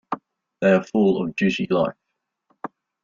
They are full of juicy life.